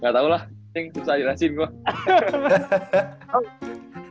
gak tau lah yang susah dirasain gue